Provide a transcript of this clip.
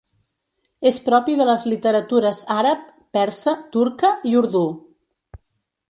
És propi de les literatures àrab, persa, turca i urdú.